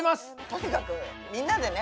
とにかくみんなでね。